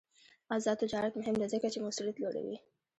آزاد تجارت مهم دی ځکه چې موثریت لوړوي.